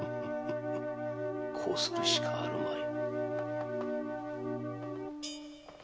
こうするしかあるまい。